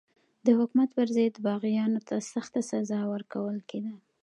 د حکومت پر ضد باغیانو ته سخته سزا ورکول کېده.